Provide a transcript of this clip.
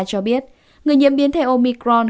cho biết người nhiễm biến thể omicron